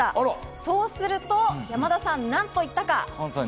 そうすると山田さん、何と言ったか？